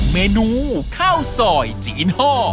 เมนูข้าวซอยจีนฮ่อ